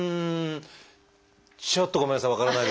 ちょっとごめんなさい。